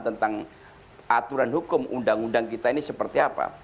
tentang aturan hukum undang undang kita ini seperti apa